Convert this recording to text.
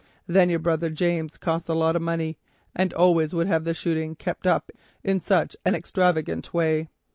Then your poor brother James cost a lot of money, and always would have the shooting kept up in such an extravagant way.